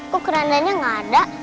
kok kerandanya gak ada